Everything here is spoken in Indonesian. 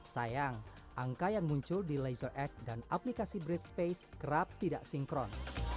sayang angka yang muncul di laser x dan aplikasi breat space kerap tidak sinkron